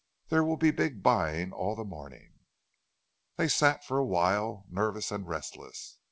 "There will be big buying all the morning." They sat for a while, nervous and restless.